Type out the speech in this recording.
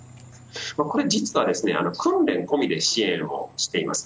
これ実は訓練込みで支援しています。